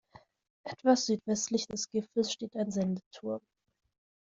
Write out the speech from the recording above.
Etwas südwestlich des Gipfels steht ein Sendeturm.